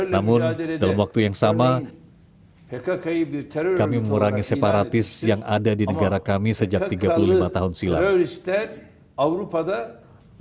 namun dalam waktu yang sama kami mengurangi separatis yang ada di negara kami sejak tiga puluh lima tahun silam